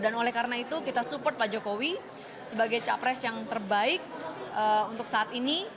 dan oleh karena itu kita support pak jokowi sebagai capres yang terbaik untuk saat ini